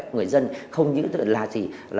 người dân không những là gì